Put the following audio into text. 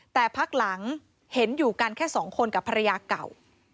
แต่พักหลังเห็นอยู่กันแค่สองคนกับภรรยาเก่า